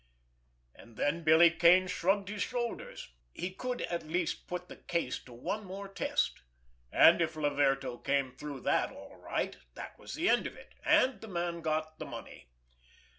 And then Billy Kane shrugged his shoulders. He could at least put the case to one more test, and if Laverto came through that all right that was the end of it, and the man got the money.